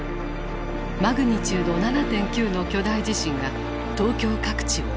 マグニチュード７．９の巨大地震が東京各地を襲った。